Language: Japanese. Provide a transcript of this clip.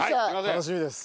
楽しみです。